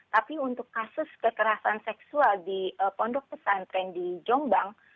tapi untuk kasus kekerasan seksual di pondok pesantren di jombang